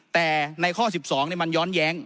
แต่ในข้อ๑๒มันย้อนแย้ง